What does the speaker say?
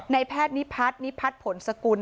ในแพทย์นิพัทนิพัทผลสกุล